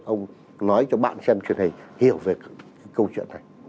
ông nói cho bạn xem truyền hình hiểu về câu chuyện này